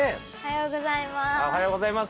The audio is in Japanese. おはようございます。